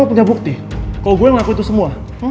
tapi ada bukti kalo gue yang ngelakuin itu semua